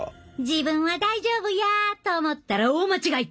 自分は大丈夫やと思ったら大間違い！